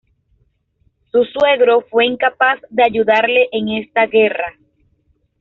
Su suegro fue incapaz de ayudarle en esta guerra.